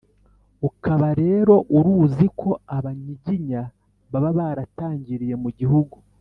ukaba rero uruzi ko abanyiginya baba baratangiriye mu gihugu